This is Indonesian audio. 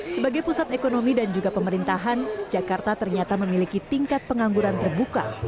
sebagai pusat ekonomi dan juga pemerintahan jakarta ternyata memiliki tingkat pengangguran terbuka